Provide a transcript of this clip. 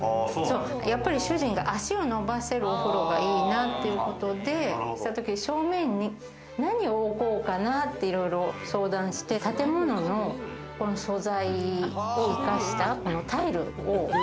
主人が足を伸ばせるお風呂がいいなって言ってて、正面に何を置こうかなっていろいろ相談して、建物の素材を生かしたタイル。